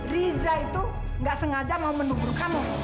riza itu gak sengaja mau mendukung kamu